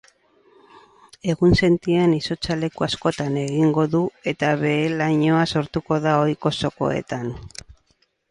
Egunsentian izotza leku askotan egingo du eta behe-lainoa sortuko da ohiko zokoetan.